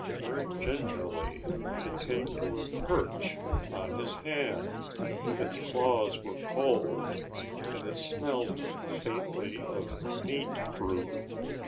Very gingerly it came to a perch on his hand. Its claws were cold and it smelled faintly of meat fruit.